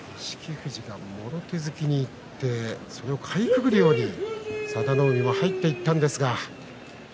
富士がもろ手突きにいってそれをかいくぐるように佐田の海も入っていったんですが